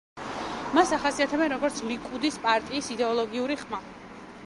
მას ახასიათებენ, როგორც ლიკუდის პარტიის „იდეოლოგიური ხმა“.